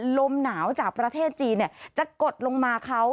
ลมหนาวจากประเทศจีนจะกดลงมาเขา